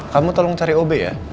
kamu tolong cari obe ya